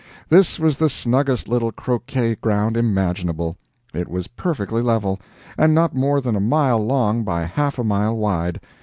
This was the snuggest little croquet ground imaginable; it was perfectly level, and not more than a mile long by half a mile wide.